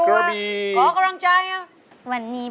เดินทางนี้